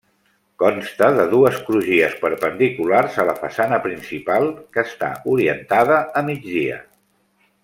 Consta de dues crugies perpendiculars a la façana principal, que està orientada a migdia.